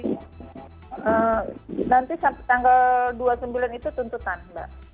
nanti sampai tanggal dua puluh sembilan itu tuntutan mbak